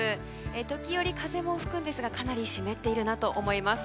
時折風も吹くんですがかなり湿っているなと思います。